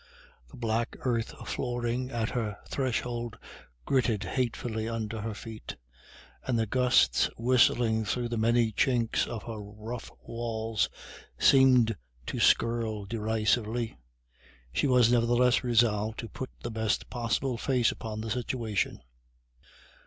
The black earth flooring at her threshold gritted hatefully under her feet, and the gusts whistling through the many chinks of her rough walls seemed to skirl derisively. She was nevertheless resolved to put the best possible face upon the situation.